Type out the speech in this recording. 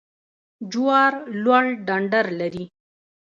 جوار لوړ ډنډر لري